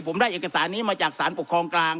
ผมได้เอกสารนี้มาจากสารปกครองกลาง